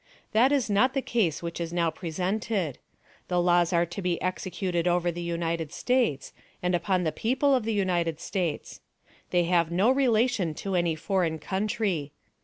That is not the case which is now presented. The laws are to be executed over the United States, and upon the people of the United States. They have no relation to any foreign country.